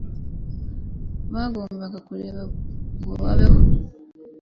Bagombaga kureba ngo babeho.